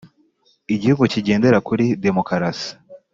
Igihugu kigendera kuri demokarasi